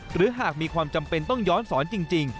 หรือหากมีความจำเป็นต้องย้อนสอนจริง